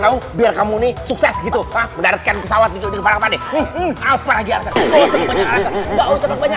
kamu biar kamu nih sukses gitu hampir pesawat itu kepadanya apa lagi alasan alasan banyak